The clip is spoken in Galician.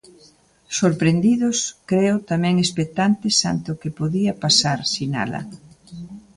Sorprendidos, creo, tamén expectantes ante o que podía pasar, sinala.